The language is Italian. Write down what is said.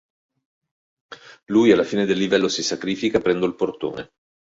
Lui alla fine del livello si sacrifica aprendo il portone.